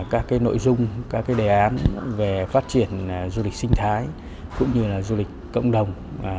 các nội dung các đề án về phát triển du lịch sinh thái cũng như là du lịch cộng đồng